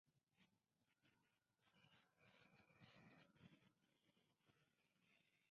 Conoció las ideas anarquistas durante sus estudios en Suiza.